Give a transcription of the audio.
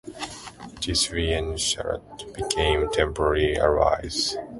Desiree and Charlotte become temporary allies.